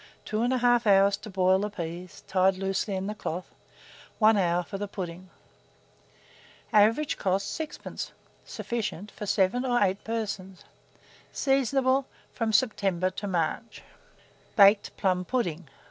2 1/2 hours to boil the peas, tied loosely in the cloth; 1 hour for the pudding. Average cost, 6d. Sufficient for 7 or 8 persons. Seasonable from September to March. BAKED PLUM PUDDING.